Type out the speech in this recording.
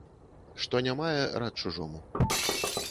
Што не мае, рад чужому.